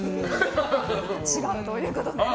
違うということで。